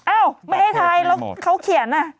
อ้าวไม่ให้ทายแล้วเขาเขียน